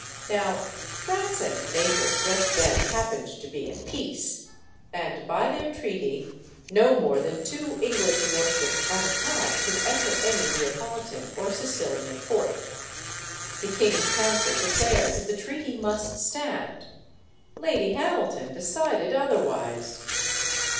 Now, France and Naples just then happened to be at peace. And, by their treaty, no more than two English warships at a time could enter any Neapolitan or Sicilian port. The king's council declared the treaty must stand. Lady Hamilton de cided otherwise.